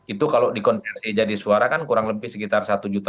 itu kalau dikonversi jadi suara kan kurang lebih sekitar satu juta